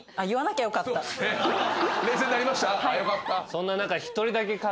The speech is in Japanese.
そんな中。